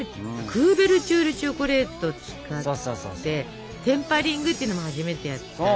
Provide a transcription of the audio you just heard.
クーベルチュールチョコレートを使ってテンパリングっていうのも初めてやったでしょ。